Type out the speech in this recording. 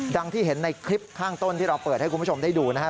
ที่เห็นในคลิปข้างต้นที่เราเปิดให้คุณผู้ชมได้ดูนะครับ